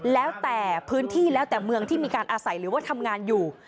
แล้วแต่พื้นที่แล้วแต่เมืองที่มีการอาศัยหรือว่าทำงานอยู่